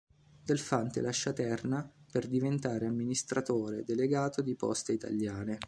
Del Fante lascia Terna per diventare amministratore delegato di Poste italiane.